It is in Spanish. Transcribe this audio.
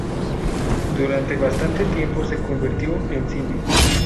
Durante bastante tiempo se convirtió en cine.